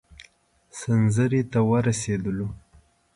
سنځري ته ورسېدلو.